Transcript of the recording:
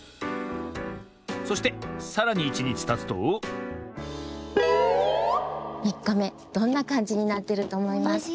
そしてさらに１にちたつと３かめどんなかんじになってるとおもいますか？